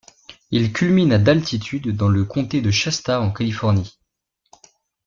Il culmine à d'altitude dans le comté de Shasta, en Californie.